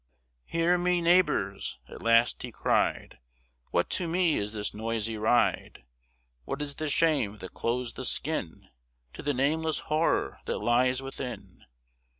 "Hear me, neighbors!" at last he cried, "What to me is this noisy ride? What is the shame that clothes the skin To the nameless horror that lives within?